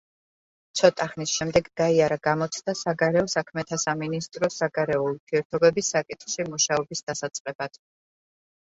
ცოტა ხნის შემდეგ გაიარა გამოცდა საგარეო საქმეთა სამინისტროს საგარეო ურთიერთობების საკითხში მუშაობის დასაწყებად.